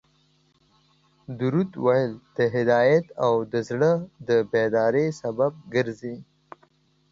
درود ویل د هدایت او د زړه د بیداري سبب ګرځي